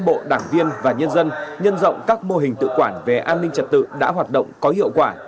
bộ đảng viên và nhân dân nhân rộng các mô hình tự quản về an ninh trật tự đã hoạt động có hiệu quả